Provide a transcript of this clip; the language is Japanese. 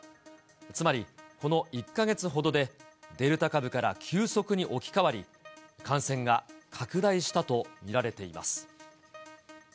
つまり、この１か月ほどでデルタ株から急速に置き換わり、感染が拡大したと見られています。